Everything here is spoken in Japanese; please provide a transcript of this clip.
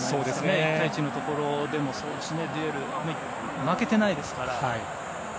１対１のところでもデュエルで負けてないですから。